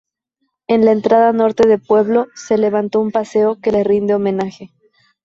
En la entrada norte de pueblo se levantó un paseo que le rinde homenaje.